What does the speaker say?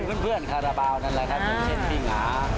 เป็นเพื่อนฮาราเบานั่นแหละครับเช่นพี่หงา